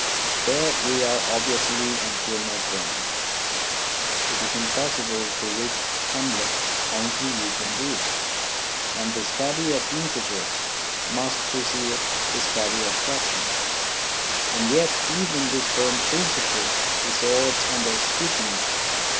There we are obviously on firmer ground. It is impossible to read Hamlet until you can read ; and the study 8 THE RHYTHM OF EDUCATION of integers must precede the study of fractions. And yet even this firm principle dissolves under scrutiny.